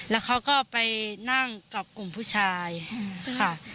แล้วเขาก็ไปนั่งกับกลุ่มผู้ชายค่ะ